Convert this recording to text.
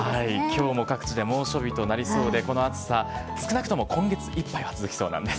きょうも各地で猛暑日となりそうで、この暑さ、少なくとも今月いっぱいは続きそうなんです。